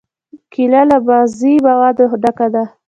کېله له مغذي موادو ډکه ده.